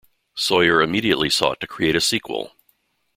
Sawyer immediately sought to create a sequel.